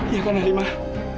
iya kan halimah